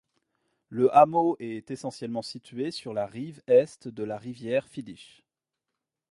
Le hameau est essentiellement situé sur la rive est de la rivière Fiddich.